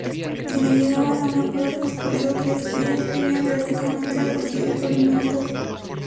Si no llegaban a un acuerdo transcurridos tres días, verían drásticamente reducido su alimento.